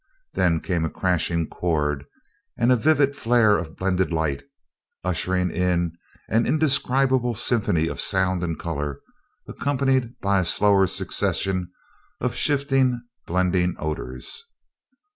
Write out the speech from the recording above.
Then came a crashing chord and a vivid flare of blended light; ushering in an indescribable symphony of sound and color, accompanied by a slower succession of shifting, blending odors.